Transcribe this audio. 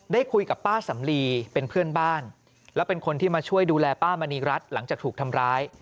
ได้คุยกับป้าสำลีเป็นเพื่อนบ้านแล้วเป็นคนที่มาช่วยดูแลป้ามณีรัฐหลังจากถูกทำร้าย